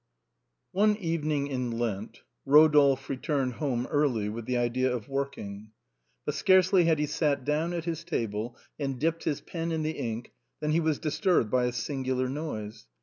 One evening in Lent Eodolphe returned home early with the idea of working. But scarcely had he sat down at his table and dipped his pen in the ink than he was disturbed by a singular noise.